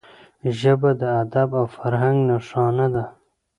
ژبه د ادب او فرهنګ نښانه ده